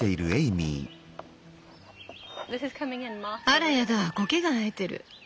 あらやだコケが生えてる。